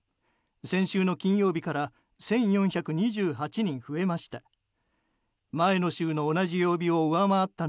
先週の金曜日から１４２８人増えました。